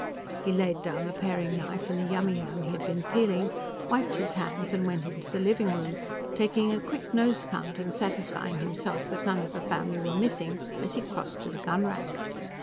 He laid down the paring knife and the yummiyam he had been peeling, wiped his hands and went into the living room, taking a quick nose count and satisfying himself that none of the family were missing as he crossed to the gunrack.